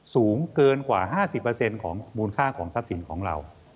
สูงเกินกว่า๕๐ของมูลค่าของทรัพย์สินของเรา